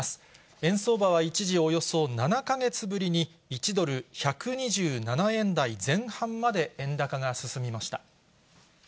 円相場は一時およそ７か月ぶりに、１ドル１２７円台前半まで円高が進みました。